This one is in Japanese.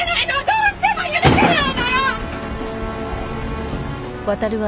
どうしても許せないの！